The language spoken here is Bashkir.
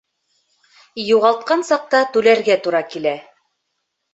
Юғалтҡан саҡта түләргә тура килә.